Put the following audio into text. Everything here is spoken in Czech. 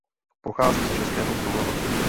Pochází z Českého Krumlova.